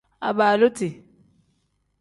Abaaluti.